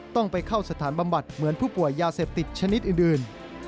ต้องไปเข้าสถานบำบัดเหมือนผู้ป่วยยาเสพติดชนิดอื่น